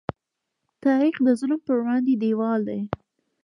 تاریخ د ظلم په وړاندې دیوال دی.